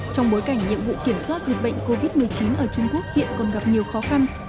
trong bối cảnh nhiệm vụ kiểm soát dịch bệnh covid một mươi chín ở trung quốc hiện còn gặp nhiều khó khăn